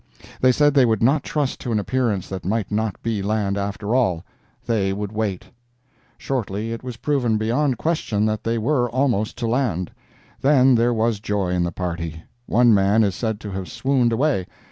They said they would not trust to an appearance that might not be land after all. They would wait. Shortly it was proven beyond question that they were almost to land. Then there was joy in the party. One man is said to have swooned away.